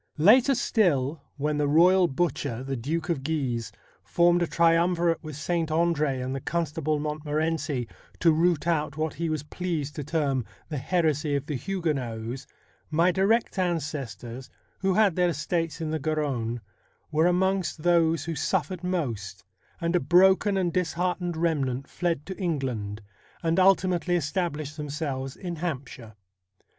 Later still, when the royal butcher, the Duke of Guise, formed a triumvirate with Saint Andre and the Constable Montmorency to root out what he was pleased to term ' the heresy of the Huguenots,' my direct ancestors, who had their estates in the Garonne, were amongst those who suffered most, and a broken and disheartened remnant fled to England, and ultimately established themselves in Hampshire.